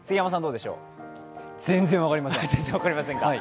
全然分かりません。